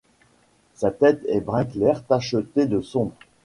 Sa tête est brun clair tacheté de sombre.